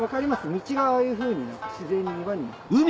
道がああいうふうに自然に岩に。